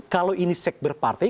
kalau ini sekber partai